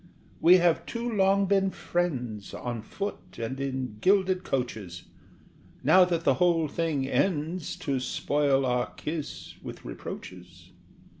We have too long been friends on foot and in gilded coaches, Now that the whole thing ends, to spoil our kiss with reproaches.